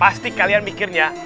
pasti kalian mikirnya